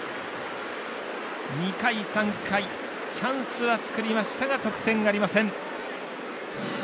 ２回、３回、チャンスは作りましたが得点ありません。